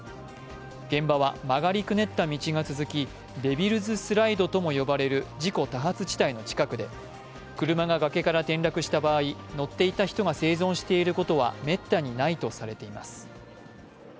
現場は曲がりくねった道が続きデビルズ・スライドとも呼ばれる事故多発地帯の近くで、車が崖から転落した場合、乗っていた人が生存していることはめったにないとされています。